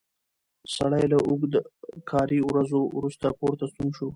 سړی له اوږده کاري ورځې وروسته کور ته ستون شو